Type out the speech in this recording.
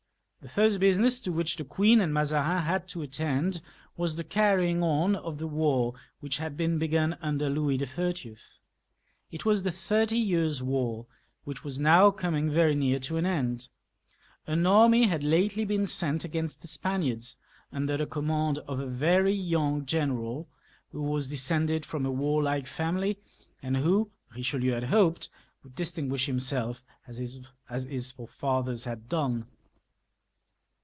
The first business to which the queen and Mazarin had to attend, was the carrying on of the war which had been b^un under Louis XTTL It was the Thirty Tears' War, which was now coming very near to an end. An army had been lately sent against the Spaniards, under the com mand of a very young general, who was descended from a warlike family, and who, Eichelieu had hoped, would dis tinguish himself as his forefathers had done.